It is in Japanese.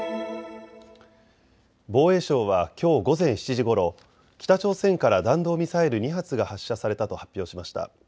防衛省はきょう午前７時ごろ北朝鮮から弾道ミサイル２発が発射されたと発表しました。